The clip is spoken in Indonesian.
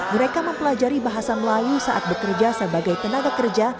mereka mempelajari bahasa melayu saat bekerja sebagai tenaga kerja